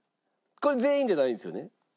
これ全員じゃないんですよね？